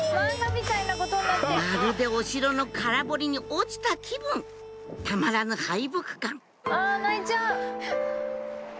まるでお城の空堀に落ちた気分たまらぬ敗北感泣いちゃう！